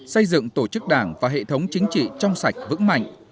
xây dựng tổ chức đảng và hệ thống chính trị trong sạch vững mạnh